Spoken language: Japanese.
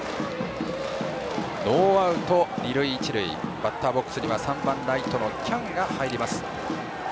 ノーアウト、二塁一塁バッターボックスには３番ライトの喜屋武が入ります。